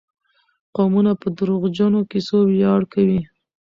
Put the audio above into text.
قومونه په دروغجنو کيسو وياړ کوي.